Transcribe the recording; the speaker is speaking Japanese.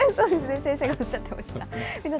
先生がおっしゃってました。